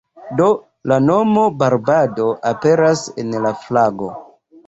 Do la nomo "Barbado" aperas en la flago.